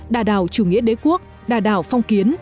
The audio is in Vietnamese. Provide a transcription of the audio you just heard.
đà đảo chủ nghĩa đế quốc đà đảo phong kiến